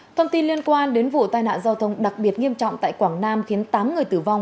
thông tin liên quan đến vụ tai nạn giao thông đặc biệt nghiêm trọng tại quảng nam khiến tám người tử vong